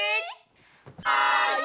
はい！